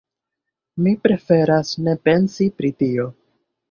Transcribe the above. Mi preferas ne pensi pri tio.